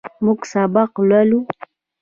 موږ سبق لولو.